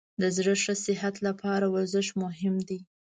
د زړه ښه صحت لپاره ورزش مهم دی.